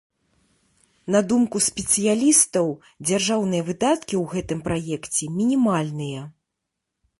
На думку спецыялістаў, дзяржаўныя выдаткі ў гэтым праекце мінімальныя.